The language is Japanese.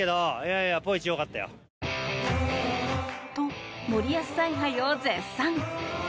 と、森保采配を絶賛。